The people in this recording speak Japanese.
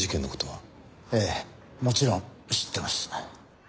ええもちろん知ってます。